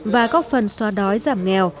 và góp phần xoa đói giảm nghèo